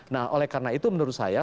nah oleh karena itu menurut saya